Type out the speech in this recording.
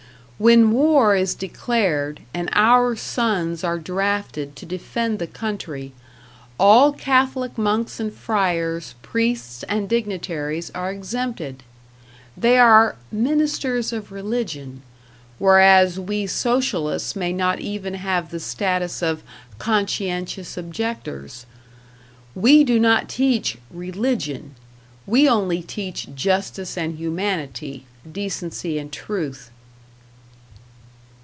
When war is declared, and our sons are drafted to defend the country, all Catholic monks and friars, priests and dignitaries are exempted. They are "ministers of religion"; whereas we Socialists may not even have the status of "conscientious objectors." We do not teach "religion"; we only teach justice and humanity, decency and truth.